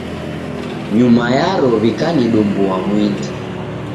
Nyuma yaro w'ikanidumbua mwindi.